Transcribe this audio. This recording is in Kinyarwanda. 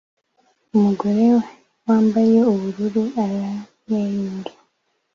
Umugore wambaye ubururu aramwenyura